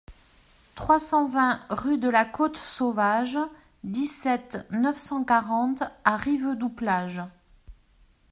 trois cent vingt rue de la Côte Sauvage, dix-sept, neuf cent quarante à Rivedoux-Plage